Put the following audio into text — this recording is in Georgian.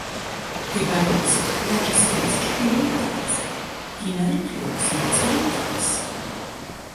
მდებარეობს რაჭის ქედის ჩრდილოეთ კალთაზე, მდინარე რიონის მარცხენა მხარეს.